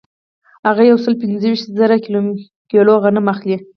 هغه یو سل پنځه ویشت زره کیلو غنم اخلي